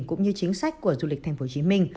cũng như chính sách của du lịch tp hcm